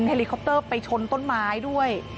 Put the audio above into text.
เลคอปเตอร์ไปชนต้นไม้ด้วย